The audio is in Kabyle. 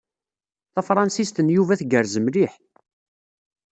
Tafṛensist n Yuba tgerrez mliḥ.